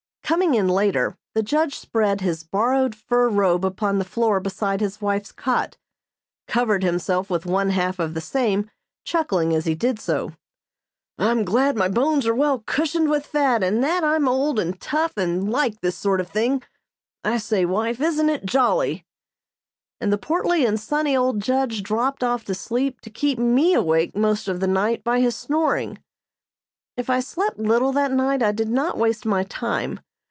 Coming in later, the judge spread his borrowed fur robe upon the floor beside his wife's cot, covered himself with one half of the same, chuckling as he did so. "I'm glad my bones are well cushioned with fat, and that I'm old and tough and like this sort of thing. I say, wife, isn't it jolly?" And the portly and sunny old judge dropped off to sleep to keep me awake most of the night by his snoring. If I slept little that night I did not waste my time.